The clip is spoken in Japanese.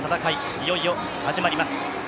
いよいよ始まります。